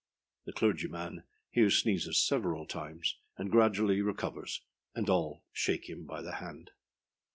The CLERGYMAN here sneezes several times, and gradually recovers, and all shake him by the hand.